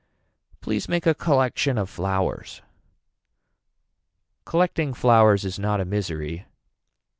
Please make a collection of flowers. Collecting flowers is not a misery.